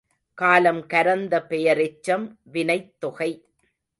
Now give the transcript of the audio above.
காலம் கரந்த பெயரெச்சம் வினைத்தொகை.